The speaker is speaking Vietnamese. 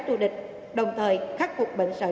tu địch đồng thời khắc phục bệnh sợ